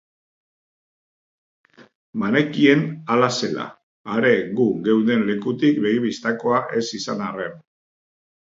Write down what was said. Banekien hala zela, are gu geunden lekutik begi-bistakoa ez izan arren.